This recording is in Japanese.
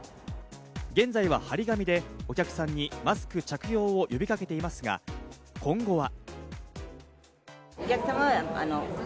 現在は張り紙でお客さんにマスク着用を呼びかけていますが、今後は。